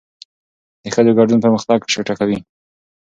د ښځو ګډون پرمختګ چټکوي.